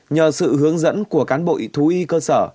nhờ sự hướng dẫn của cán bộ thú y cơ sở